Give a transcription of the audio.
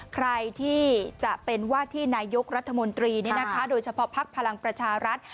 ใครที่จะเป็นว่าที่นายกรัฐมนตรีโดยเฉพาะภักดิ์พลังประชารัฐ